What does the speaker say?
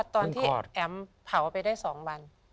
ตอนที่แอ๋มเผาไปได้๒วัน